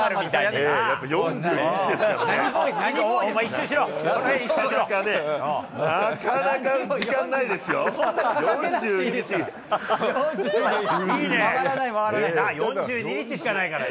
なかなか時間ないですよ、いいね。